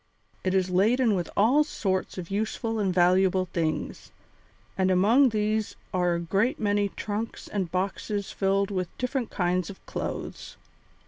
It is laden with all sorts of useful and valuable things, and among these are a great many trunks and boxes filled with different kinds of clothes.